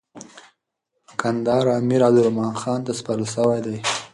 کندهار امیر عبدالرحمن خان ته سپارل سوی دی.